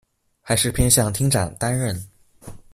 還是偏向廳長擔任